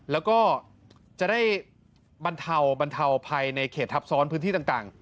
แล้วก็จะได้บรรเทาบรรเทาภัยในเขตทับซ้อนพื้นที่ต่าง